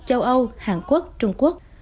châu âu hàn quốc trung quốc